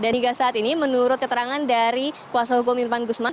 dan hingga saat ini menurut keterangan dari kuasa hukum irman gusman